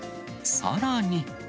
さらに。